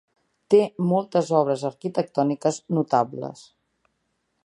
Té moltes obres arquitectòniques notables.